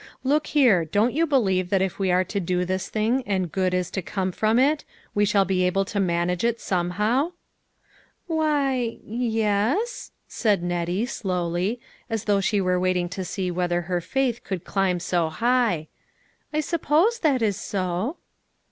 Look here, don't you believe that if we are to do this thing and good is to come from it, we shall be able to manage it somehow ?"" Why, y e s," said Nettie, slowly, as though she were waiting to see whether her faith could climb so high ;" I suppose that is so."